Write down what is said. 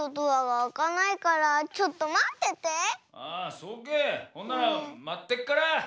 ほんならまってっから。